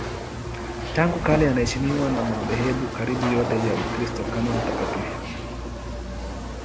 Tangu kale anaheshimiwa na madhehebu karibu yote ya Ukristo kama mtakatifu.